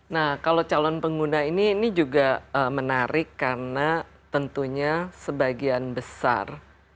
nah kalau calon pengguna ini ini juga menarik karena tentunya sebagian besar